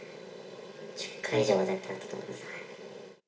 １０回以上は絶対あったと思います。